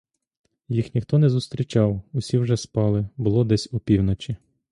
Їх ніхто не зустрічав, усі вже спали: було десь опівночі.